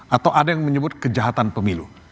atau ada yang menyebut kejahatan pemilu